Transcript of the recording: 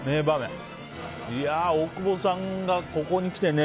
大久保さんがここに来てね。